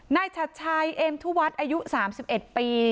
ชัดชัยเอ็มทุวัฒน์อายุ๓๑ปี